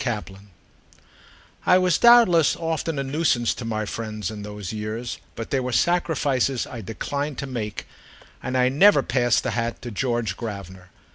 V I WAS doubtless often a nuisance to my friends in those years; but there were sacrifices I declined to make, and I never passed the hat to George Gravener.